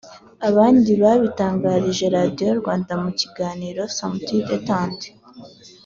abandi babitangarije Radiyo Rwanda mu kiganiro Samedi détente